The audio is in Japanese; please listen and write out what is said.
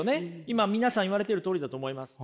今皆さん言われてるとおりだと思います。